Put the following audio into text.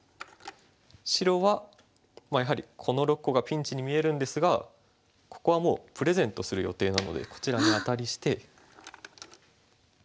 白はやはりこの６個がピンチに見えるんですがここはもうプレゼントする予定なのでこちらにアタリして。